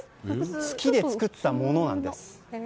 月で作ったものなんです。